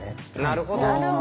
なるほど。